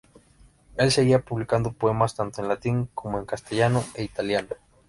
Él seguía publicando poemas tanto en latín como en castellano e italiano.